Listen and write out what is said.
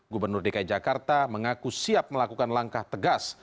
gubernur dki jakarta mengaku siap melakukan langkah tegas